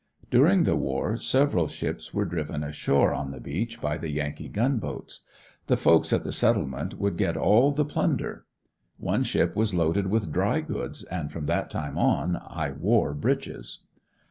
During the war several ships were driven ashore on the beach by the Yankee gun boats. The folks at the "Settlement" would get all the plunder. One ship was loaded with dry goods and from that time on I wore breeches.